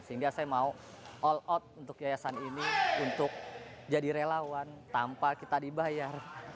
sehingga saya mau all out untuk yayasan ini untuk jadi relawan tanpa kita dibayar